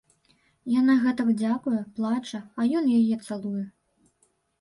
Яна гэтак дзякуе, плача, а ён яе цалуе.